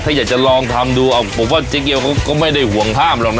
ถ้าอยากจะลองทำดูเอาผมว่าเจ๊เกียวเขาก็ไม่ได้ห่วงห้ามหรอกนะ